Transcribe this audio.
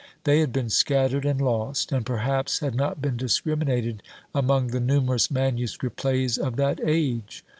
They had been scattered and lost, and, perhaps, had not been discriminated among the numerous manuscript plays of that age.